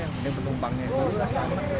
yang penting penumpangnya dulu lah